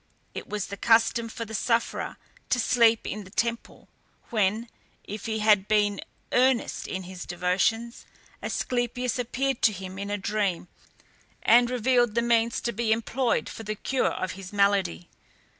It was the custom for the sufferer to sleep in the temple, when, if he had been earnest in his devotions, Asclepias appeared to him in a dream, and revealed the means to be employed for the cure of his malady.